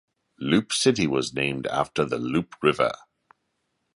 Loup City was named after the Loup River.